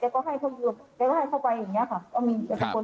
คือแกก็ให้ยืมหมดหรือบางทีไม่มีแกไปกู้ดอกออกแล้วแปะแกก็ให้เขายืม